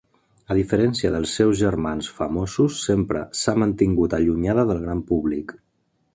A diferència dels seus germans famosos, sempre s'ha mantingut allunyada del gran públic.